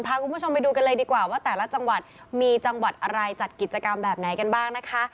พาคุณผู้ชมไปดูกันเลยดีกว่าว่าแต่ละจังหวัดมีจังหวัดอะไรจัดกิจกรรมแบบไหนกันบ้างนะคะ